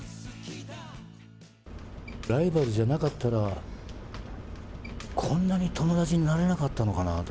ライバルじゃなかったら、こんなに友達になれなかったのかなって